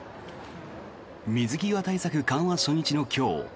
水際対策緩和初日の今日